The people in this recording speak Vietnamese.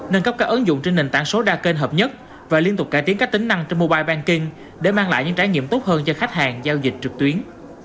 nâng cấp các ứng dụng trên nền tảng số đa kênh hợp nhất và liên tục cải tiến các tính năng trên mobile banking để mang lại những trải nghiệm tốt hơn cho khách hàng giao dịch trực tuyến